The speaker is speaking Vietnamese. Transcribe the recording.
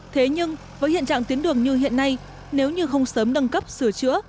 thế nhưng với hiện trạng tuyến đường như hiện nay nếu như không sớm nâng cấp sửa chữa